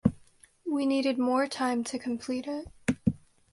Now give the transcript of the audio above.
We needed more time to complete it.